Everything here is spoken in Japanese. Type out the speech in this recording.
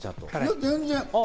全然。